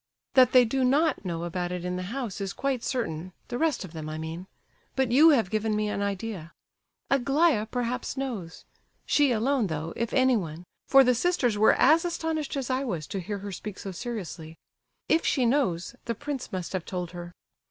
"That they do not know about it in the house is quite certain, the rest of them, I mean; but you have given me an idea. Aglaya perhaps knows. She alone, though, if anyone; for the sisters were as astonished as I was to hear her speak so seriously. If she knows, the prince must have told her."